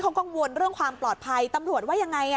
เขากังวลเรื่องความปลอดภัยตำรวจว่ายังไง